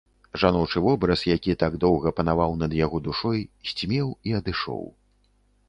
Жаночы вобраз, які так доўга панаваў над яго душой, сцьмеў і адышоў.